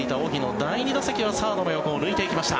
第２打席はサードの横を抜いていきました。